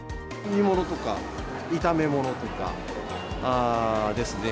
煮物とか、炒め物とかですね。